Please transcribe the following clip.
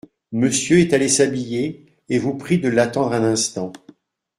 Monsieur est allé s'habiller, et vous prie de l'attendre un instant.